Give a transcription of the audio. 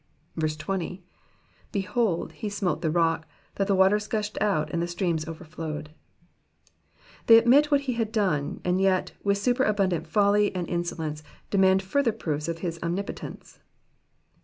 20. Behold, he smote the rocky that the waters gushed out, and the streams orerflo^jDed,''* They admit what he had done, and yet, with superabundant folly and insolence, demand further proofs of his omnipotence.